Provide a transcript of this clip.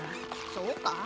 そうか？